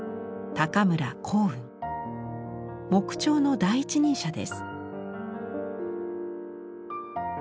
木彫の第一人者です。